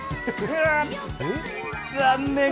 残念。